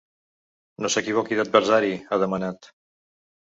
No s’equivoqui d’adversari, ha demanat.